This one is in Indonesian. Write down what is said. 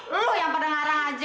lu yang pada ngarang aja